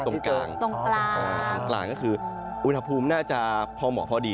ตรงกลางก็คืออุณหภูมิน่าจะพอเหมือนพอดี